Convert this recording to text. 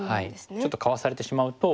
はいちょっとかわされてしまうと。